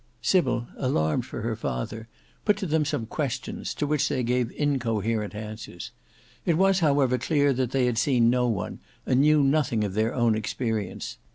Sybil, alarmed for her father, put to them some questions, to which they gave incoherent answers. It was however clear that they had seen no one, and knew nothing of their own experience.